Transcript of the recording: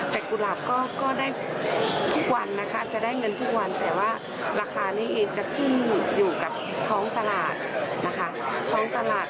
แต่กุหลาบก็ได้ทุกวันจะได้เงินทุกวันแต่ว่าราคานี้จะขึ้นอยู่กับท้องตลาด